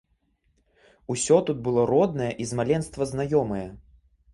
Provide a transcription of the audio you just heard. Усё тут было роднае і з маленства знаёмае.